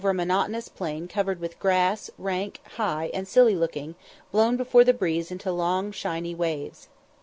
The sun rose over a monotonous plain covered with grass, rank, high, and silky looking, blown before the breeze into long, shiny waves.